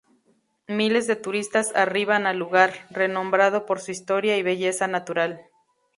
Miles de turistas arriban al lugar, renombrado por su historia y belleza natural.